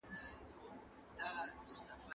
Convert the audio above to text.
د ملا په ستوني کې خبره وچه شوه.